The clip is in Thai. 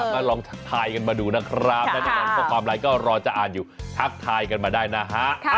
มาถ่ายกันมาดูนะครับความหมายก็รอจะอ่านอยู่ทักทายกันมาได้นะฮะ